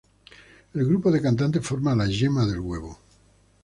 El grupo de cantantes forma la "yema" del huevo.